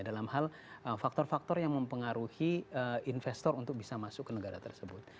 dalam hal faktor faktor yang mempengaruhi investor untuk bisa masuk ke negara tersebut